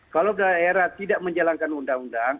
kalau daerah tidak menjalankan undang undang